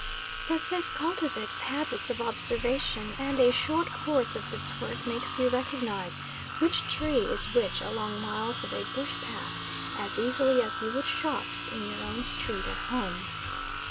But this cultivates habits of observation, and a short course of this work makes you recognise which tree is which along miles of a bush path as easily as you would shops in your own street at home.